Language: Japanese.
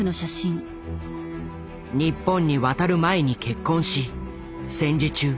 日本に渡る前に結婚し戦時中